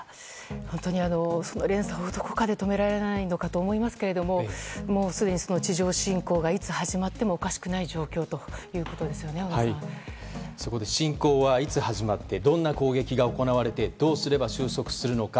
本当に連鎖をどこかで止められないのかと思いますけどすでに地上侵攻がいつ始まっても侵攻はいつ始まってどんな攻撃が行われてどうすれば収束するのか。